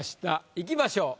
いきましょう。